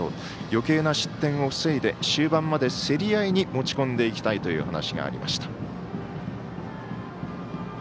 よけいな失点を防いで終盤まで競り合いに持ち込んでいきたいという話がありました。